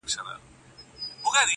چور دئ که حساب؟